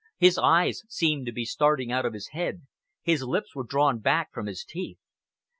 His eyes seemed to be starting out of his head, his lips were drawn back from his teeth.